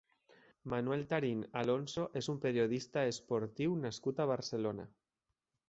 Manuel Tarín Alonso és un periodista esportiu nascut a Barcelona.